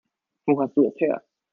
Wo hast du es her?